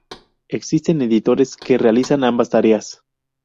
Existen editores que realizan ambas tareas.